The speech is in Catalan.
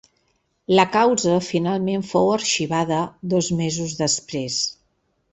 La causa finalment fou arxivada dos mesos després.